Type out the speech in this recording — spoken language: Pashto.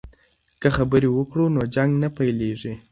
که خبرې وکړو نو جنګ نه پیلیږي.